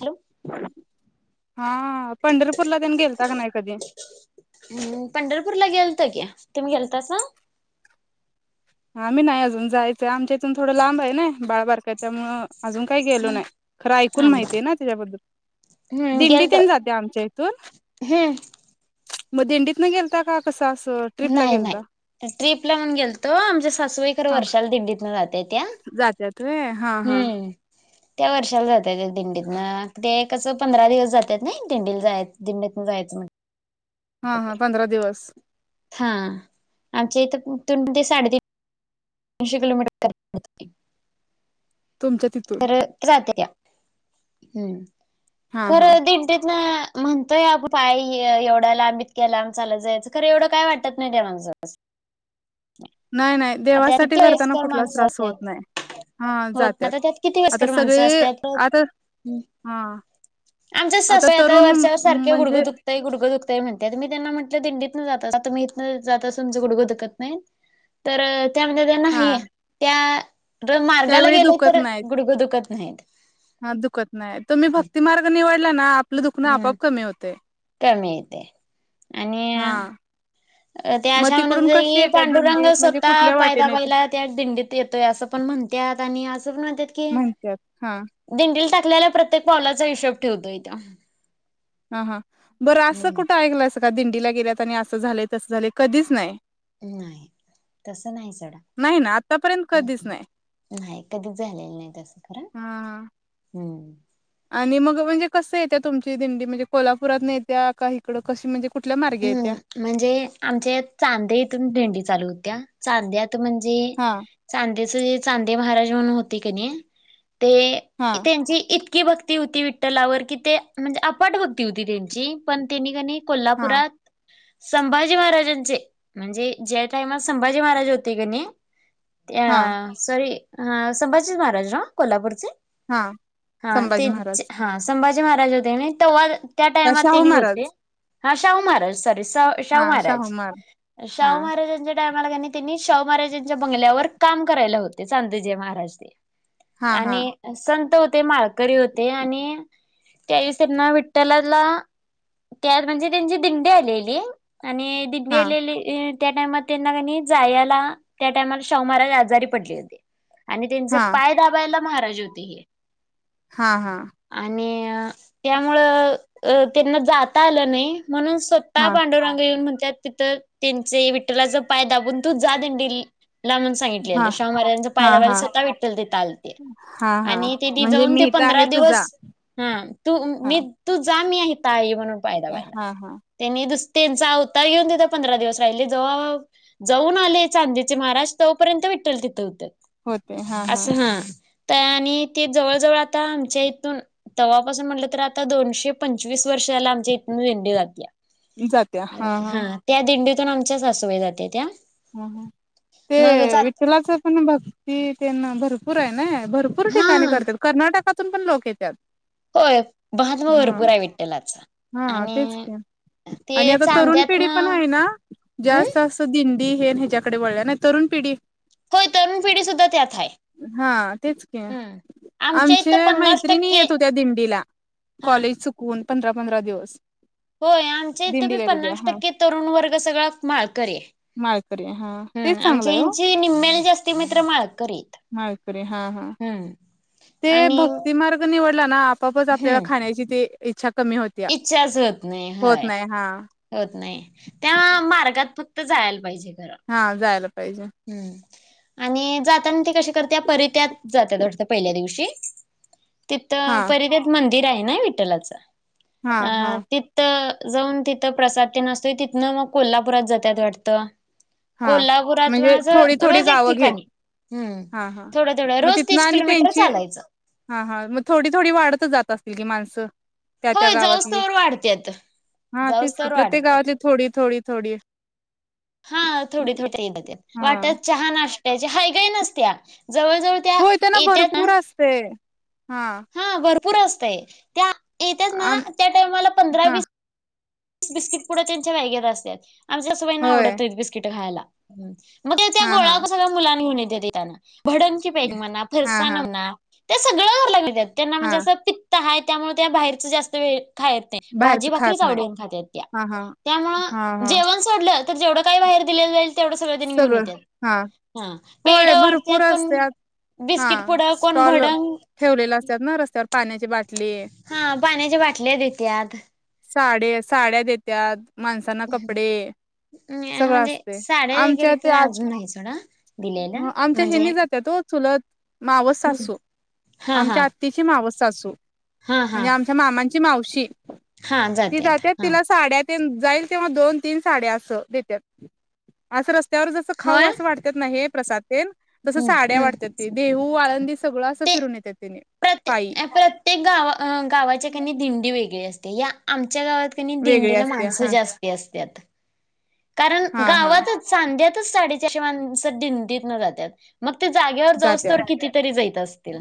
Hello हा, पंढरपूरला तेन गेलता का, नाही कधी, हम, पंढरपूर ला गेलत कि, तुम्ही गेलतासा, आम्ही नाही अजून, जायचंय, आमच्या इथून थोडं लांब आहे ना, बाळबारका आहे त्यामुळं, अजून काही गेलो नाही, खरं ऐकून हा माहितीे ना, त्याच्याबद्दल. हम्म गेलतो दिंडीतेन जात्या, आमच्या इथून, हम्म मग दिंडीत न गेलता, का कसं असं, ट्रिपला नाही गेलता? -नाही ट्रिपला म्हणून गेलतो, आमच्या सासूबाई खरं वर्षाला दिंडीतन जात्यात त्या. जातेत होय, हा, हा हम्, त्या वर्षाला जात्यात्या दिंडीतनं, ते कसं पंधरा दिवस जात्यात नाई दिंडीला जाय दिंडीतंनं जायचं मग. हा, हा. पंधरा दिवस. हा आमच्या इथं तून ते साडेतीन तीनशे किलोमीटर तर [unintelligible] तुमच्या तिथं जात्यात्या हा हा खरं दिंडीतनं... म्हणतोय आपण पाय ह्य एवढा लांब, इतक्या लांब चालत जायाचं खरं एवढं काय वाटत नाही त्या माणसांसनी. नाही, नाही. आता देवासाठी किती करताना वयस्कर कुठलाच माणसं त्रास होत नाही येत्यात. हा होतं जात्यात. ना त्यात किती आता वयस्कर माणसं सगळे असत्यात. आता हा आमच्याच सासूबाई आता वरच्यावर सारख्या म्हणजे गुडगं दुख तयं, गुडघं दुखतय म्हणत्यात मी त्यांना म्हटलं, दिंडीतनं जातासा तुम्ही इथनं जातासा तुमचं गुडगं दुखत नाहीत. तर त्या म्हणत्यात्या हा नाही त्या र मार्गाला त्यावेळी गेले दुखत तर नाही गुडगं दुखत नाहीत. हा दुखत नाही, तुम्हीं भक्ती मार्ग निवडला ना, आपलं दुखणं हम्म आपआप कमी होतयं. कमी येतयं आणि हा अ त्या मग अशा म्हणत तिकडून होत्या कशी की, येत्या पांडुरंग दिंडी म्हणजे स्वतः कुठल्या पाय वाटेने येत्या दाबायला त्या दिंडीत येतोय असं पण म्हणतात आणि असं पण म्हणत्यात की म्हणत्यात हा.. दिंडीला टाकलेल्या प्रत्येक पावलाचा हिशोब ठेवतोय त्यो. हा, हा. बरं असं हम्म कुठं ऐकलायसा का दिंडीला गेल्यात आणि असं झालयं, तसं झालयं कधीच नाही. नाही तसं नाही सोडा. नाही ना आतापर्यंत कधीच नाही नाही कधीच झालेलं नाही तसं खरं हा हूं... आणि मग म्हणजे कसं येत्या तुमची दिंडी म्हणजे कोल्हापुरातनं येत्या का इकडं कशी म्हणजे कुठल्या मार्गे येत्या? हम्म म्हणजे आमच्या चांद्या इथून दिंडी चालू होत्या चांद्यात म्हणजे हा चांदेचं जे चांदे महाराज म्हणून होते क नई ते हा त्यांची इतकी भक्ती होती विठ्ठलावर की ते, म्हणजे आपट भक्ती होती त्यांची पण त्यांनी कनई हा कोल्हापुरात संभाजी महाराजांचे म्हणजे ज्या टाइमात संभाजी महाराज होते का नाही हा त्या सॉरी संभाजीच महाराज ना कोल्हापूरचे हा हा संभाजी तेच महाराज हा संभाजी महाराज होते कनई तेंव्हाच, त्या का टायमात शाहू तेनी होते, महाराज हा शाहू महाराज सॉरी सा शाहू महाराज, हा शाहू महाराजंचं टायमाला कनई त्यांनी शाहू महाराजांच्या बंगल्यावर काम करायला होते चांदेजी महाराज ते. हा हा आणि संत होते, माळकरी होते, आणि त्यावेळीस त्यांना विठ्ठलाला त्यात म्हणजे त्यांची दिंडी आलेली आणि दिंडी हा आलेली त्या टाइमात त्यांना कनई जायाला, त्या टायमाला शाहूमहाराज आजारी पडले होते. आणि त्यांचं हा पाय दाबायला महाराज होते हे. हां.. हा.. आणि त्यामुळं त्यांना जाता आलं नाही म्हणून स ता हा पांडुरंग येऊन म्हणत्यात, तिथं त्यांचे विठ्ठलाचं पाय दाबून, तू जा दिंडीला म्हणून. हा सांगितलेलं शाहू महाराजांच रा हा पायदाबायला हा स्वतः विठ्ठल तिथं आलते हा हा आणि तेथे म्हणजे जाऊन ते मी इथं पंधरा आहे तुझा दिवस तू हा मी तू जा, मी इथं आहे पाय ते- दाबायला हा हा त्यांनीस त्यांचा अवतार घेऊन तथ पंधरा दिवस राहिले जवळ जाऊन आले चांदीेचे महाराज तोपर्यंत विेठल तिथे होत्य होते हा असं हा तर आणि ते जवळ जवळ आता आमच्या इथून तव्हापासून म्हटलं तर आता दोनशे पंचवीस वर्षाला आमच्या इथून दिंडी जाते आणि हा त्या दिंडीतून आमच्या सासू बाईजाते त्या ह ते मग जात विठ्ठलाच पण भक्ती त्यांना भरपूर आहे ना भरपूर हा ठिकाणी करतात, कर्नाटकातून पण लोक येतात होय महात्मा हा भरपूर आहे विठ्ठलाच हा तेच का आणि आता तरुण चांद्यात पिढी ना पण आहे ना हम् जास्तत दिंडी हे ह्याच्याकडे वळल्या तरुण पिढी होय तरुण पिढी सुद्धा त्यात आहे, हा तेच क हम् इथं आमच्या पन्नास मैत्रिणी टक्के येत होत्या दिंडीला हा कॉलेज च कोण पंधरा पंधरा दिवस होय आमच्या इथे मी दिंडीला येत होत्या पन्नास हा टक्के तरुण वर्ग सगळा माळकरि आहे हा माळकरी तेच चांगलंय हो. निमेल जास्ती मित्र माळ करीत. माळकरी हा, हा हम्म ते आणि भक्ती मार्ग निवडला ना आपापच आपल्याला हम्म खाण्याची ते इच्छा कमी होते. इच्छाच होत नाही होय होत नाही त्या मार्गात फक्त जायला पाहिजे खरं हा जायला पाहिजे. हम्म आणि जाताना ते कसे करते परित्यात जाते वाटत पहिल्या दिवशी तिथ हा पर [unintelligible] त्या मंदिर आहे ना विठ्ठलाच हा अ हा ति [inaudible] [unintelligible] तर जाऊन तिथं प्रसाद ते आसतो तिथनं मग कोल्हापुरात जातात वाटतं. हा कोल्हापुरात म्हणजे माझ थोडी थोडी रोज एक गावं घेत ठिकाण, हम हा हा थोड थोड मग रोज तिथनं तीस आणि किलोमीटर त्यांची चालायचं हा हां मग थोडी, थोडी वाढतच जात असतील की माणस त्या त्या होय जाऊस गावातली तवर वाढत्यात. हा जाऊस तीच की तवर प्रत्येक वाढत्यात. गावातली थोडी, थोडी, थोडी हा थोडी थोडी हा वाटत चहा नाष्टाची हाय गई नसत जवळ जवळ होय त्यांना भरपूर असते हा हा भरपूर असतय त्या येत्याच ना आम त्या टाइमाला पंधरा हा वस बिस्कट पुढ त्यांच्या बॅगेत असत आमच्या सासूबाईंना होय आवडतं, नाय बिस्कीट खायला मग त्या हा हा गोळा सगळ्या मुलांना घेऊन येते देताना भडणची बॅग म्हणा, हा फरसाना हा म्हणा त्या सगळं वरलं [unintelligible] वितात त्यांना हा म्हणजे असं पित्त आहे त्यामुळे त्या बाहेरच जास्त वेळ खायच [unintelligible] बाहेरच भाजी, खात भाकरी नाहीत. आवडीने खातात त्या हा हा त्यामुळे हा हा जेव वा [unintelligible] तर जेवढं काही बाहेर दिलं जाई [unintelligible] तेवढं सगळ त्यांनी घेऊन सगळं येतात, हा हा पेढ होय भरपूर वाटतात पण असत्यात हा बिस्किट पुड कोण स्टॉल भडंग ठेवलेले असतात ना रस्त्यावर पाण्याची बाटली हा पाण्याच्या बाटल्या देतात साड साड्या देत्या माणसांना कपडे अं सगळं म्हणजे असते. [unintelligible] आमच्या ते आ अजून नाही [inaudible] आमच्या म्हणजे हेनी जात तो चुलत मावस सासू हा हा आमच्या आ त्याची मावस सासू हा हा म्हणजे आमच्या मामांची मावशी हा ती जात्यात जाते हा तिला साड्यात ते जाईल तेव्हा दोन तीन साड्या अस देतात असं रस्त्यावर जसं खाऊ होय असं वाटत ना हे प्रसादन तसं हम्म साड्या हम्म वाटतात ते देहू आळंदी सगळं असं फिरून येते तिने. प्रत्य प्रत्येक गाव गावाच्या कनी दिंडी वेगळी असते या आमच्या गावात वेगळी दिंडीला असते माणसं हा जास्ती असत्यात कारण हा हा गावातच चांध्यातच साडीच्या अशे माणस दिंडीत न जातात मग ते जागेवर जाऊस तरवर जात्यात कितीतरी जायत असतील.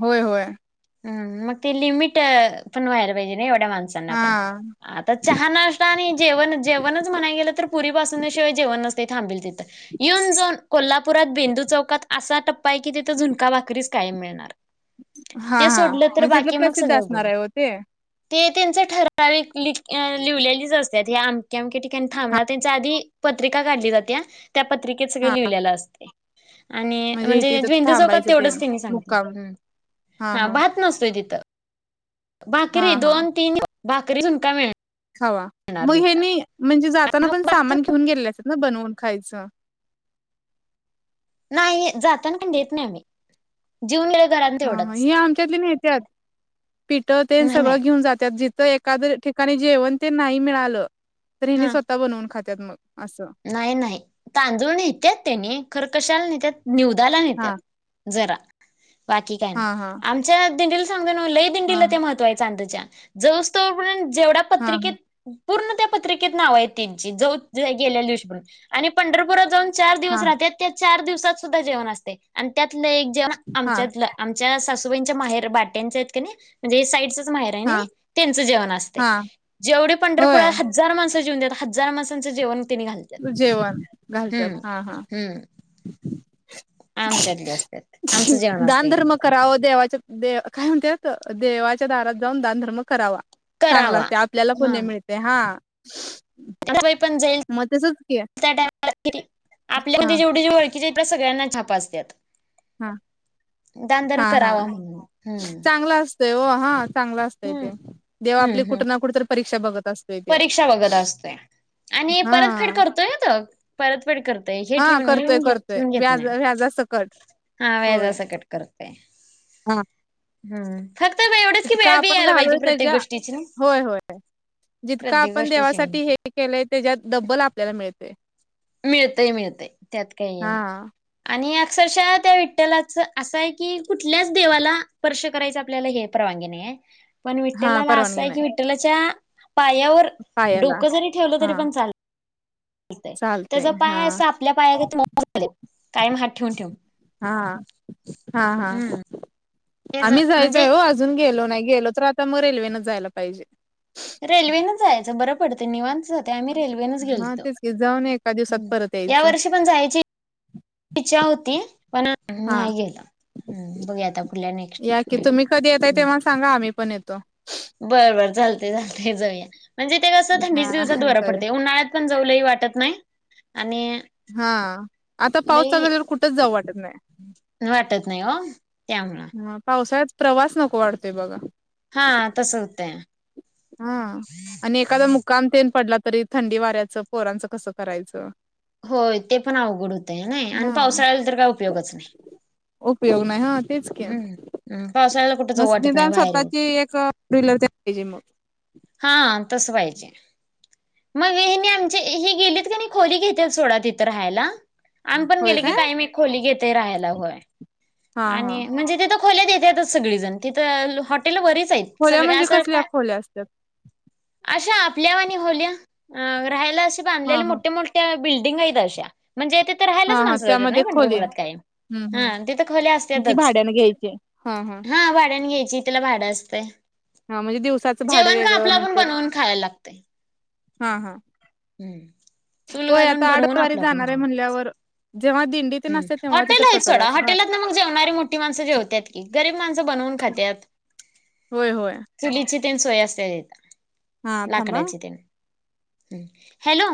होय होय हम्म. मग ते लिमिट पण व्हायला पाहिजे ना एवढ्या माणसांना हा पण आता चहा नाष्टता आणि जेवण जेवणच म्हणाय गेलं पुरी बासुंदी शिवाय जेवण नसते तिथबल तिथ येऊन जाऊन कोल्हापू पुरात बेंदू चौकात असा टप्पा आहे की तिथं झुणका भाकरीच कायम मिळणार हा ते हा सोडलं तर म्हणजे तिथलं बाकी मग प्रसिद्ध सगळं गुड असणार आहे हो ते ते त्यांचे ठराविक ल लिवलेलीच असतात. हे अमक्या -अमक्या ठिकाणी हा थांबणार त्यांच्या आधी पत्रिका काढली जाते त्या पत्रिकेत सगळ हा लिहिलेलं असते आणि इथे म्हणजे इथं बिंदू चौकात थांबायचं तेवढच तेन तिने मुक्काम हा सांगितले हा भात नसतोय तिथ हा भाकरी दोन तीन भाकरी झुणका मिळेल. हवा मग हेनी म्हणजे जाताना पण सामान घेऊन गेलेत ना बनवून खायचं. नाही. जाताना काही नेत नाही आम्ही जेऊन घरत [unintelligible] हां- हां हे आमच्यातली नेत्यात पिठं तेन नाही सगळं नाही घेऊन जातात जिथं एक एखाद्या ठिकाणी जेवण तेन नाही मिळालं तर हिनी हा स्वतः बनवून खातत मग असं नाही- नाही तांदूळ नेतात त्यानी खरं कशाला नेतात नेवेद्याला हा नेतात जरा बाकी काय नाही हा हा आमच्या दिंडीला सांगतोय ना लई दिंडी ते हा महत्व आहे चांदच्या जाऊस तोपर्यंत जेवढ्या पत्रिकेत पूर्ण त्या पत्रिकेत नाव आहे त्यांची जा गेल्या दिवशी पण आणि पंढरपुरात जाऊन चार दिवस हा राहत्यात त्या चार दिवसात सुद्धा जेवण असतय आणि त्यातलं एक जेवण हा आमच्यातलं आमच्या सासूबाईंच्या माहेर बाट्यांचे आहेत क नाही म्हणजे हे साईडच माहेर आहे हा नाही. त्याचं जेवण असतय हा एवढी पंढरपुरात होय हजार माणस जेउंदेत हजार माणसाच जेवण त्यांनी घातल्यात. जेवण घालत्यात हा-हा. हम्म आमच्यातले असतात आमचं जेवण असत. दानधर्म कराव देवाच्या काय म्हणत? देवाच्या दारात जाऊन दानधर्म करावा. चांगला करावा. असते आपल्याला हा पुण्य मिळते हा. बाई पण जाईल मग तसच की [unintelligible] त्या टाइमाला आपल्या हा [unintelligible] जेवढी जवळ. [unintelligible] सगळ्यांना छप असतात. हा दानधर्म करावा म्हणून हम्म.. देव हा चांगला असतय ते हम्म देव आपली हम्म कुठं ना कुठे तरी परीक्षा बघत असते. परीक्षा बघत असतोय. आणि हा परतफेड करतोय हा तो परतफेड करतो. पैसे हा ठेवून करतोय लिहून घेत करतोय ठेवून घेत व्याज नाही व्याजासकट हा व्याजा सकट करते. हा.. हम्म्म फक्त एवढच की, वेळ बी यायला पाहिजे प्रत्येक गोष्टीची. जितका प्रत्येक आपण गोष्टीची देवासाठी हे केलंय त्याच्यात डब्बल आपल्याला मिळते. मिळतय मिळतय त्यात काही हा नाही आणि अक्षरशः त्या विठ्ठलाच असं आहे की कुठल्याच देवाला स्पर्श करायचं आपल्याला हे नाही परवागी नाहीय. पण हा विठ्ठलाला असं परवानगी आहे की नाही विठ्ठलाच्या पायावर पायाला डोकं जरी ठेवलं हा तरी पण चालतय. चालते त्याचा हा पाय असं आपल्या पाया गत [inaudible] कायम हात ठेवून ठेवून. हा हा हा हम्म तेच आम्ही म्हणजे जायचंय हो आ अजून गेलो नाही गेलो तर आता मग रेल्वे न जायला पाहिजे. रेल्वेन जायचं बरं पडतं निवांच जात. आम्ही रेल्वेच हा गेलतो, तेच की जाऊन एका दिवसात परत यायचं यावर्षी पण जायची इच्छा इच्छा होती पण हा नाही गेलं हम्म बघू आता पुढल्या नेक्स्ट या की तुम्ही कधी येताय तेव्हा सांगा आम्ही पण येतो. बरं बर चालतंय चालतंय जाऊया म्हणजे ते कसं थंडीच्या हा दिवसात बर जाऊया पडते उन्हाळ्यात पण जाऊ लई वाटत नाही आणि हा आता पाऊस चालू लई झाल्यावर कुठंच जाऊ वाटत नाही. वाटत नाही हो त्यामुळे हा पावसाळ्यात प्रवास नको वाटतय बघा हा तसं होतय. हा आणि एखादा मुकाम तेन पडला तरी थंडी वाऱ्याचं पोरांचं कसं करायचं. होय ते पण अवघड होतय नाही आणि हा पावसाळ्याला तर काय उपयोगच नाही. उपयोग नाही हा तेच की हम्म. हम्म पावसाळ्याला कुठं जाऊ तसं वाटत नाही निदान बाहेर येऊन स्वतःची एक फोरविलर पाहिजे मग हा तसं पाहिजे. मग हेणी हेणी आमचे हे गेलीत का नाही खोली घेत्यात सोडा तिथं राहायला. आम्ही पण होय गेले की काय कायम एक खोली घेतोय राहायला होय हा हा आणि म्हणजे तिथं खोल्यात देतातच सगळीजण तिथं हॉटेल बरीच आहेत. खोल्या सगळे म्हणजे असं कसल्या पाय खोल्या असत्यात अशा आपल्या वाणी खोल्या अ राहायला असे हा बांधलेले हा मोठे-मोठे त्या बिल्डिंग आहेत अश्या म्हंजे हा हा त्यामध्ये खोली हम्म हा तिथं खोल्या हम्म ती असत्यातच भाड्यान घ्यायची हाय हा हा हा भाड्यानं घ्यायची तिला भाडं असतय. हा म्हणजे दिवसाचं भाडं जेवण काय आपल वेगळं आपुन नंतर बनवून खायला लागतय. हा हा चूल होय घालून आता बनवून आडतवारी आपलं जाणार आहे म्हणल्यावर जेव्हा दिं ह हॉटेल आहे सोडा, हॉटेलात ना मग जेवणारी मोठी माणसं जेवत्यात की, गरीब माणसं बनवून खात्यात. होय होय. चुलीची तेन सोय असत्या हा तीत थांबा लाकडाची तेन, हॅलो